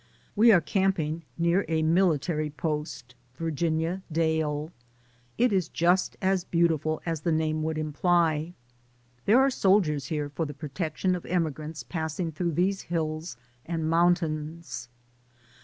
We are camping near a mihtary post — Virginia Dale. It is just as beautiful as the name would imply. There are soldiers here for the protection of emigrants passing through these hills and mountains.